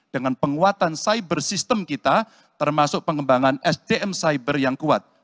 dengan penguatan cyber system kita termasuk pengembangan sdm cyber yang kuat